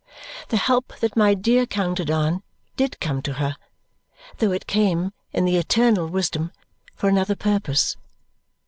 The help that my dear counted on did come to her, though it came, in the eternal wisdom, for another purpose.